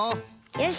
よし。